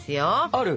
ある？